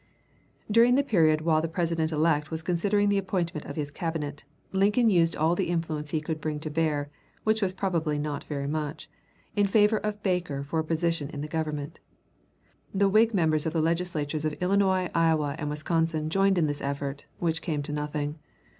Feb. 2, 1869.] During the period while the President elect was considering the appointment of his Cabinet, Lincoln used all the influence he could bring to bear, which was probably not very much, in favor of Baker for a place in the Government. The Whig members of the Legislatures of Illinois, Iowa, and Wisconsin joined in this effort, which came to nothing.